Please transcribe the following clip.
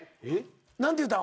何て言うたん？